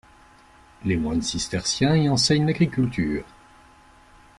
Les moines cisterciens y enseignent l'agriculture.